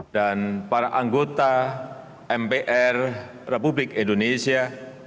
dan para anggota mpr republik indonesia